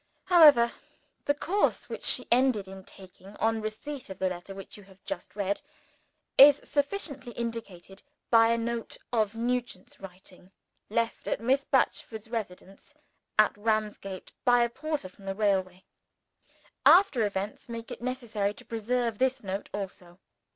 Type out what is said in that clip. However, the course which she ended in taking on receipt of the letter which you have just read, is sufficiently indicated by a note of Nugent's writing, left at Miss Batchford's residence at Ramsgate by a porter from the railway. After events make it necessary to preserve this note also.